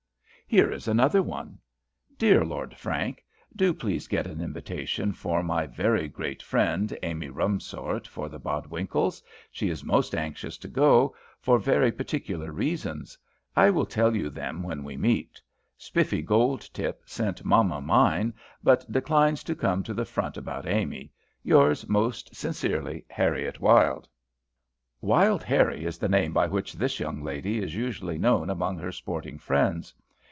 Here is another one: "DEAR LORD FRANK, Do please get an invitation for my very great friend, Amy Rumsort, for the Bodwinkles'. She is most anxious to go, for very particular reasons. I will tell you them when we meet. Spiffy Goldtip sent mamma mine, but declines to come to the front about Amy. Yours most sincerely, HARRIET WYLDE." "Wild Harrie" is the name by which this young lady is usually known among her sporting friends.